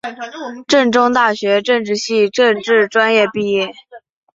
郑州大学政治系政治专业毕业。